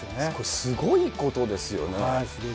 すごいことですよね。